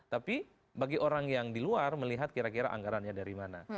tapi bagi orang yang di luar melihat kira kira anggarannya dari mana